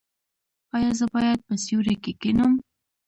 ایا زه باید په سیوري کې کینم؟